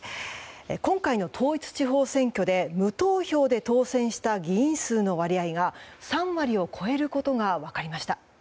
今回の統一地方選挙で無投票で当選した議員数の割合が３割を超えることが分かりました。